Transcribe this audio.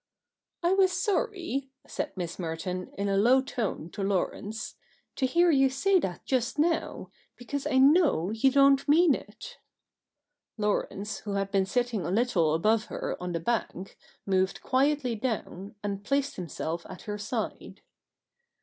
' I was sorry,' said Miss Merton in a low tone to Laurence, ' to hear you say that just now, because I know you don't mean it.' Laurence, who had been sitting a little above her on the bank, moved quietly down, and placed himself at her side.